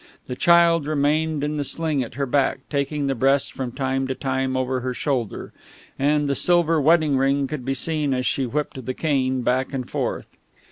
The child remained in the sling at her back, taking the breast from time to time over her shoulder; and the silver wedding ring could be seen as she whipped the cane, back and forth.